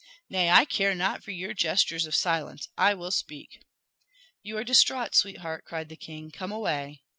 Nay, I care not for your gestures of silence. I will speak." "You are distraught, sweetheart," cried the king. "Come away."